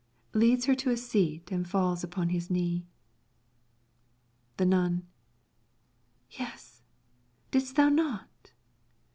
[Leads her to a seat, and falls upon his knee.] The Nun Yes, dost thou not?